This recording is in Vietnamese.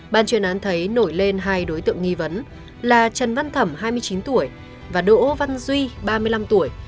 ban chuyên án thấy nổi lên hai đối tượng nghi vấn là trần văn thẩm hai mươi chín tuổi và đỗ văn duy ba mươi năm tuổi